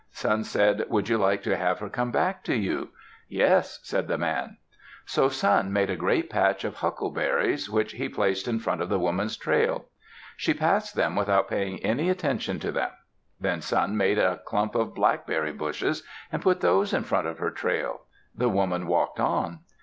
Sun said, "Would you like to have her come back to you?" "Yes," said the man. So Sun made a great patch of huckleberries which he placed in front of the woman's trail. She passed them without paying any attention to them. Then Sun made a clump of blackberry bushes and put those in front of her trail. The woman walked on.